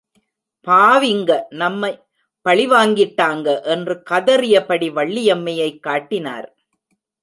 பாவிங்க நம்மை பழிவாங்கிட்டாங்க, என்று கதறியபடி வள்ளியம்மையை காட்டினர்.